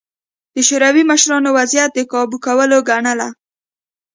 د شوروي مشرانو وضعیت د کابو کولو ګڼله